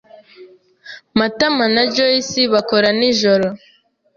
Matama na Joyci bakora nijoro.